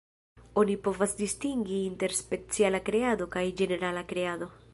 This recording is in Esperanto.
Oni povas distingi inter 'speciala kreado' kaj ĝenerala kreado.